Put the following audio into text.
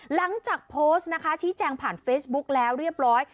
หลังจากโพสต์นะคะชี้แจงผ่านเฟซบุ๊กแล้วเรียบร้อย